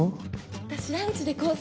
私ランチでコース